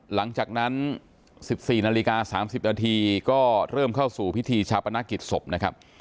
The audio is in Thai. หลังจากนั้น๑๔นาฬิกา๓๐นาทีก็เริ่มเข้าสู่พิธีชาปนกิจศพนะครับ